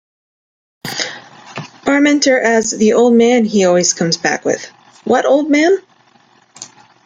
Parmenter as "the old man" he always comes back with, "What old man?